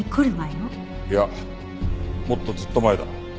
いやもっとずっと前だ。